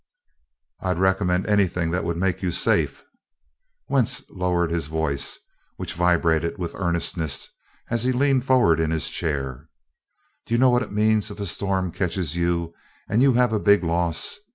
"I'd recommend anything that would make you safe." Wentz lowered his voice, which vibrated with earnestness as he leaned forward in his chair: "Do you know what it means if a storm catches you and you have a big loss?